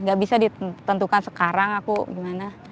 gak bisa ditentukan sekarang aku gimana